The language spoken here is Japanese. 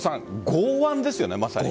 剛腕ですね。